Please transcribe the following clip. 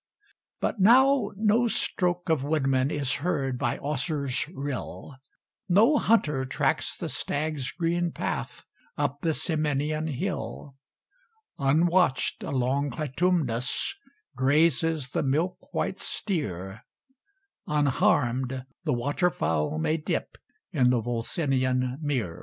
But now no stroke of woodman Is heard by Auser's rill; No hunter tracks the stag's green path Up the Ciminian hill; Unwatched along Clitumnus Grazes the milk white steer; Unharmed the water fowl may dip In the Volsinian mere.